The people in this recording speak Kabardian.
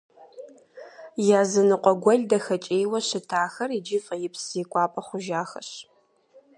Языныкъуэ гуэл дахэкӀейуэ щытахэр иджы фӀеипс зекӀуапӀэ хъужахэщ.